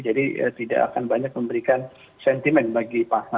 jadi tidak akan banyak memberikan sentimen bagi pasar